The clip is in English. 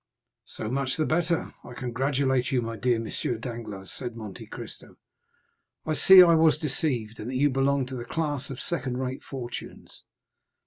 "So much the better. I congratulate you, my dear M. Danglars," said Monte Cristo; "I see I was deceived, and that you belong to the class of second rate fortunes."